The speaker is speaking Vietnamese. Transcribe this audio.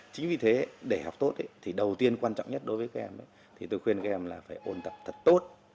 chính vì thế để học tốt thì đầu tiên quan trọng nhất đối với các em thì tôi khuyên các em là phải ôn tập thật tốt